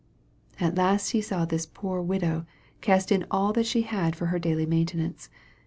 At last he saw this poor widow cast in all that she had for her daily maintenance.